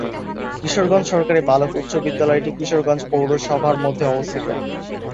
কিশোরগঞ্জ সরকারি বালক উচ্চ বিদ্যালয়টি কিশোরগঞ্জ পৌরসভার মধ্যে অবস্থিত।